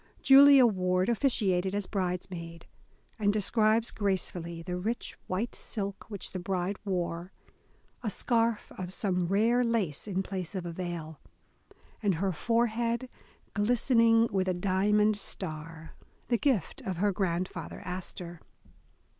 Julia Ward officiated as bridesmaid, and describes gracefully the rich white silk which the bride wore, a scarf of some rare lace in place of a veil, and her forehead glistening with a diamond star, the gift of her grandfather Astor.